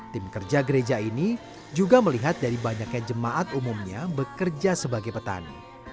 tim kerja gereja ini juga melihat dari banyaknya jemaat umumnya bekerja sebagai petani